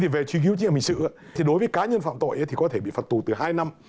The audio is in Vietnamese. về truy cứu trí hành hình sự đối với cá nhân phạm tội thì có thể bị phạt tù từ hai năm